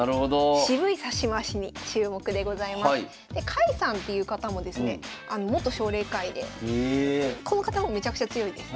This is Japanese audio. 甲斐さんっていう方もですね元奨励会員でこの方もめちゃくちゃ強いです。